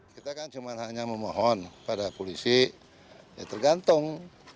kita kan cuma hanya memohon pada polisi ya tergantung